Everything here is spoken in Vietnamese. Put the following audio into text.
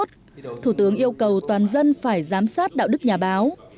thủ tướng yêu cầu toàn dân phải giám sát đạo đức nhà báo